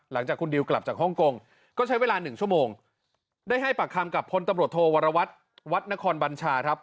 หลังจากคุณดิวกลับจากฮ่องกงก็ใช้เวลาหนึ่งชั่วโมงได้ให้ปากคำกับพลตำรวจโทวรวัตรวัดนครบัญชาครับ